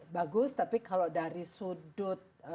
bagus tapi kalau dari sudut